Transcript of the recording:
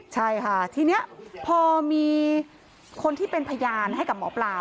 ใช่ค่ะทีนี้พอมีคนที่เป็นพยานให้กับหมอปลา